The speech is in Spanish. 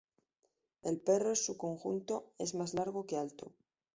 El perro en su conjunto es más largo que alto.